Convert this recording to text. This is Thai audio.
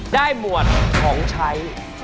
ได้หมวดของใช้